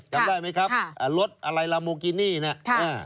จำได้ไหมครับรถอะไรลาโมกินี่น่ะ